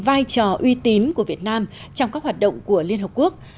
vai trò uy tín của việt nam trong các hoạt động của liên hợp quốc